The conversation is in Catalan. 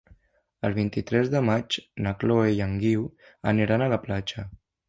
El vint-i-tres de maig na Chloé i en Guiu aniran a la platja.